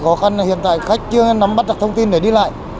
khó khăn là hiện tại khách chưa nắm bắt đặt thông tin để đi lại